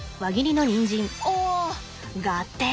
お合点！